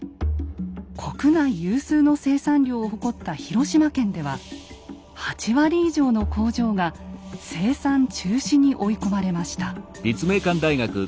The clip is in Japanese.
国内有数の生産量を誇った広島県では８割以上の工場が生産中止に追い込まれました。